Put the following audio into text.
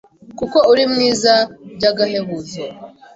kuko uri mwiza by’agahebuzo.